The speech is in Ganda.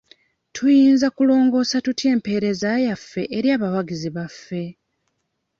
Tuyinza kulongoosa tutya empeereza yaffe eri abawagizi baffe?